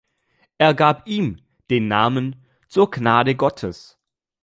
Er gab ihm den Namen „Zur Gnade Gottes“.